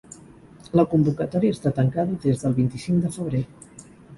La convocatòria està tancada des del vint-i-cinc de febrer.